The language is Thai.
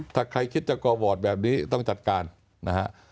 ถ้าใครคิดจะก่อวอร์ดแบบนี้ต้องจัดการนะฮะ